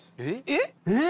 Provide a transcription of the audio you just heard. えっ！